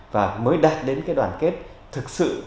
và mới đạt đến đoàn kết thực sự